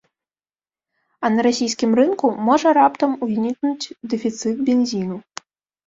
А на расійскім рынку можа раптам узнікнуць дэфіцыт бензіну.